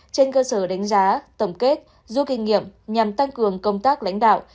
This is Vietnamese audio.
trên cơ sở đánh giá tầm kết du kinh nghiệm nhằm tăng cường công tác lãnh đạo